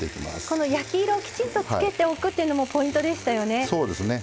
この焼き色をきちんとつけておくというのもポイントでしたよね。